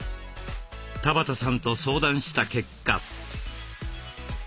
田端さんと相談した結果。